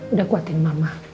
udah kuatin mama